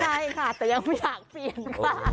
ใช่ค่ะแต่ยังไม่อยากเปลี่ยนค่ะ